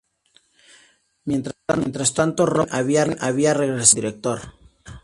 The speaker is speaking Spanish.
Mientras tanto, Rob Cohen había regresado como director.